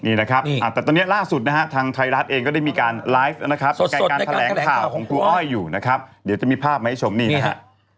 นี่นะครับแต่ตอนนี้ล่าสุดนะฮะทางไทยรัฐเองก็ได้มีการไลฟ์นะครับการแถลงข่าวของครูอ้อยอยู่นะครับเดี๋ยวจะมีภาพมาให้ชมนี่นะฮะ